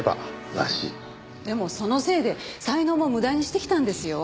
でもそのせいで才能も無駄にしてきたんですよ。